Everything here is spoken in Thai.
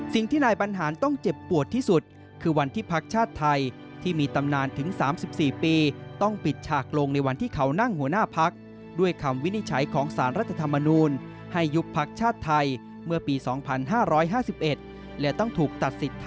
สิ่งที่นายบรรหารต้องเจ็บปวดที่สุดคือวันที่พักชาติไทยที่มีตำนานถึง๓๔ปีต้องปิดฉากลงในวันที่เขานั่งหัวหน้าพักด้วยคำวินิจฉัยของสารรัฐธรรมนูลให้ยุบพักชาติไทยเมื่อปี๒๕๕๑และต้องถูกตัดสิทธิ